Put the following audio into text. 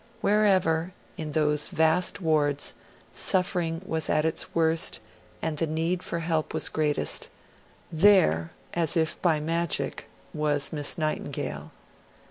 Wherever, in those vast wards, suffering was at its worst and the need for help was greatest, there, as if by magic, was Miss Nightingale.